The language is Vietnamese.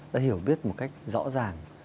đã hiểu biết một cách rõ ràng